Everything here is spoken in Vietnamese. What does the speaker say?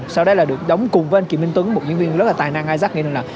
sau đấy là được đóng cùng với anh kiều minh tuấn một diễn viên rất là tài năng isaac nghĩ rằng là